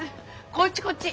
こっちこっち。